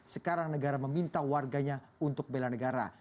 sekarang negara meminta warganya untuk bela negara